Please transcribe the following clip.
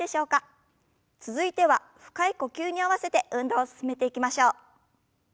続いては深い呼吸に合わせて運動を進めていきましょう。